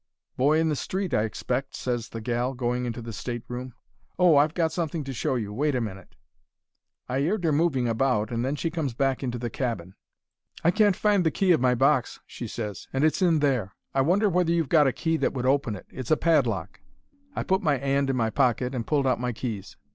"'Boy in the street, I expect,' ses the gal, going into the state room. 'Oh, I've got something to show you. Wait a minute.' "I 'eard her moving about, and then she comes back into the cabin. "'I can't find the key of my box,' she ses, 'and it's in there. I wonder whether you've got a key that would open it. It's a padlock.' "I put my 'and in my pocket and pulled out my keys.